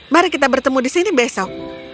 mari kita bertemu di sini besok